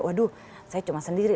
waduh saya cuma sendiri